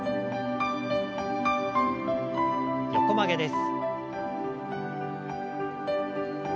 横曲げです。